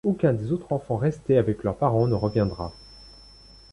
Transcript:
Aucun des autres enfants restés avec leurs parents ne reviendra.